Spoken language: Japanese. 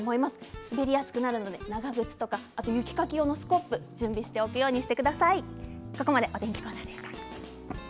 滑りやすくなるので長靴雪かき用のスコップ、準備しておくようにしてください。